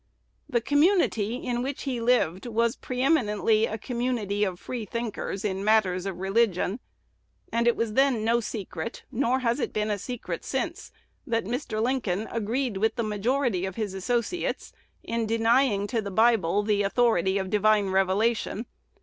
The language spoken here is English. The community in which he lived was pre eminently a community of free thinkers in matters of religion; and it was then no secret, nor has it been a secret since, that Mr. Lincoln agreed with the majority of his associates in denying to the Bible the authority of divine revelation.